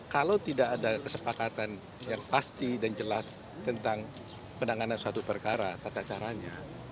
kalau tidak ada kesepakatan yang pasti dan jelas tentang penanganan suatu perkara tata caranya